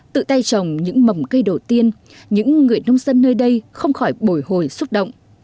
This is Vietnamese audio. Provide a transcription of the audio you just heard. tự tay trồng những mầm cây đầu tiên những người nông dân nơi đây không khỏi bồi hồi xúc động